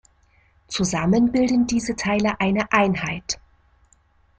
Zusammen bilden diese Teile eine Einheit.